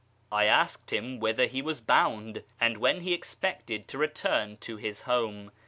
I asked him whither he was bound, and when he expected to return to his home.